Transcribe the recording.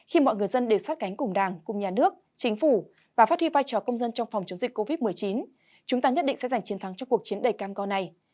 khi mọi người dân đều sát cánh cùng đảng cùng nhà nước chính phủ và phát huy vai trò công dân trong phòng chống dịch covid một mươi chín chúng ta nhất định sẽ giành chiến thắng cho cuộc chiến đầy cam co này